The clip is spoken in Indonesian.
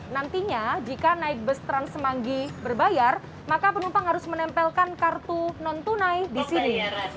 nantinya jika naik bus trans semanggi berbayar maka penumpang harus menempelkan kartu non tunai di sini